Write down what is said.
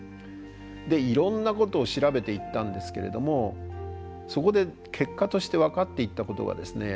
いろんなことを調べていったんですけれどもそこで結果として分かっていったことがですね